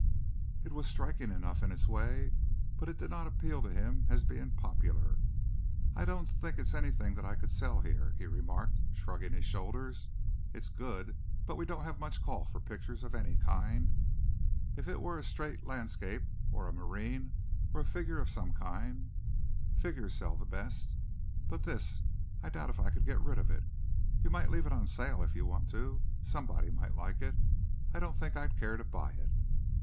It was striking enough in its way but it did not appeal to him as being popular. "I don't think it's anything that I could sell here," he remarked, shrugging his shoulders. "It's good, but we don't have much call for pictures of any kind. If it were a straight landscape or a marine or a figure of some kind . Figures sell best. But this I doubt if I could get rid of it. You might leave it on sale if you want to. Somebody might like it. I don't think I'd care to buy it."